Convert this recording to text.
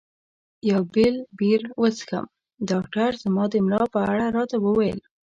یو بل بیر وڅښم؟ ډاکټر زما د ملا په اړه راته وویل.